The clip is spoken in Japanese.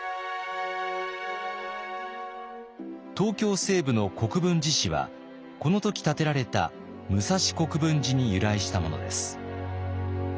東京西部の国分寺市はこの時建てられた武蔵国分寺に由来したものです。